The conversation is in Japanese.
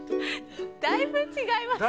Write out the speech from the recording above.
だいぶちがいますね。